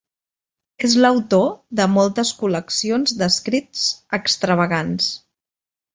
És l'autor de moltes col·leccions d'escrits extravagants.